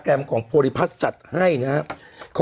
แหละแหละแหละแหละแหละแหละ